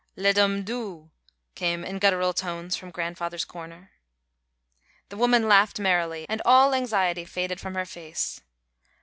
"Let um do!" came in guttural tones from grandfather's corner. The woman laughed merrily, and all anxiety faded from her face.